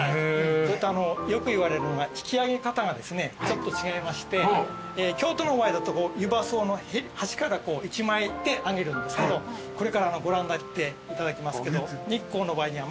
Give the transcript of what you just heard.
それとよく言われるのが引き上げ方がですねちょっと違いまして京都の場合だとゆば槽の端から上げるんですけどこれからご覧なっていただきますけど日光の場合には真ん中に串を入れて